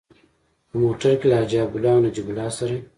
په موټر کې له حاجي عبدالله او نجیب الله سره.